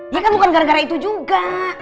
ya kan bukan gara gara itu juga